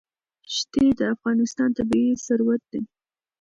ښتې د افغانستان طبعي ثروت دی.